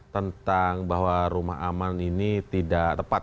tentang bahwa rumah aman ini tidak tepat